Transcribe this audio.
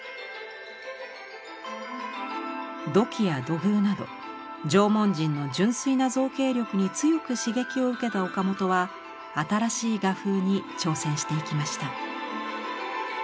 土器や土偶など縄文人の純粋な造形力に強く刺激を受けた岡本は新しい画風に挑戦していきました。